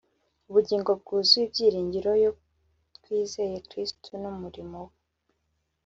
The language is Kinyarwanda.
Ubugingo Bwuzuye Ibiringiro yo twizeye Kristo n’umurimo we